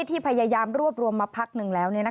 ที่พยายามรวบรวมมาพักหนึ่งแล้ว